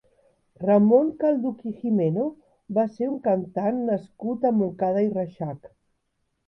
Ramon Calduch i Gimeno va ser un cantant nascut a Montcada i Reixac.